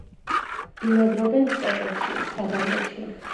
ბინადრობენ სტეპებში, სავანებში.